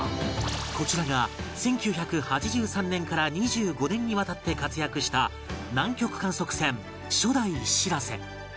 こちらが１９８３年から２５年にわたって活躍した南極観測船初代しらせ